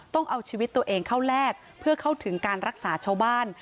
ต้องเอาชีวิตตัวเองเข้าแลกเพื่อเข้าถึงการรักษาชาวบ้าน